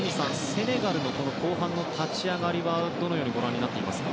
セネガルの後半の立ち上がりはどのようにご覧になってますか？